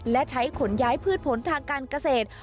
และใช้ขนย้ายพืชผลทางการเกษตร